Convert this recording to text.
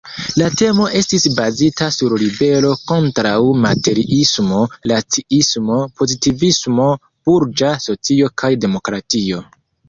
La temo estis bazita sur ribelo kontraŭ materiismo, raciismo, pozitivismo, burĝa socio kaj demokratio.